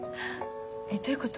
どういうこと？